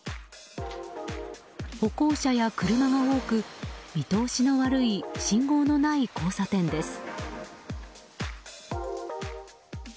歩行者や車が多く見通しの悪い信号のない交差点です。